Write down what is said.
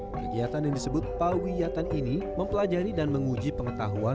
kegiatan yang disebut pawiyatan ini mempelajari dan menguji pengetahuan